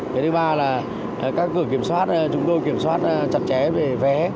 cái thứ ba là các cửa kiểm soát chúng tôi kiểm soát chặt chẽ về vé